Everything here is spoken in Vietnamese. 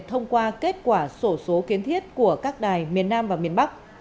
thông qua kết quả sổ số kiến thiết của các đài miền nam và miền bắc